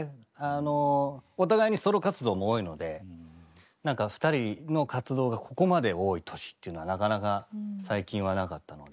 お互いにソロ活動も多いのでなんかふたりの活動がここまで多い年っていうのはなかなか最近はなかったので。